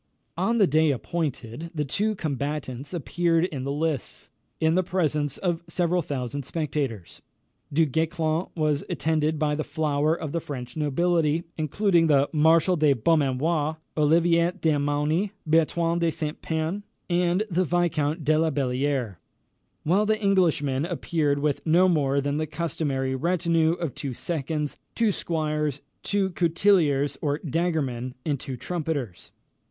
On the day appointed, the two combatants appeared in the lists, in the presence of several thousand spectators. Du Guesclin was attended by the flower of the French nobility, including the Marshal de Beaumanoir, Olivier de Mauny, Bertrand de Saint Pern, and the Viscount de la Bellière; while the Englishman appeared with no more than the customary retinue of two seconds, two squires, two coutilliers or daggermen, and two trumpeters.